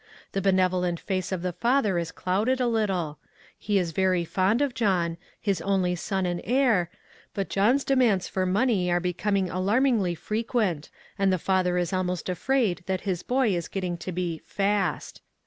The benevolent face of the father is clouded a little. He is very fond of John, his only son and heir ; but John's demands for money are becom ing alarmingly frequent, and the father is almost afraid that his boy is getting to be " fast."